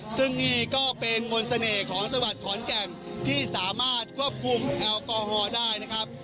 ซึ่งนี่ก็เป็นมนต์เสน่ห์ของจังหวัดขอนแก่นที่สามารถควบคุมแอลกอฮอล์ได้นะครับ